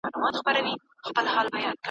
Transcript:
نه مستي سته د رندانو نه شرنګی د مطربانو ,